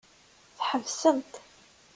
Tḥebsemt.